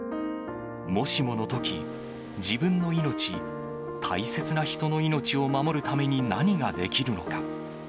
もしものとき、自分の命、大切な人の命を守るために何ができるのか。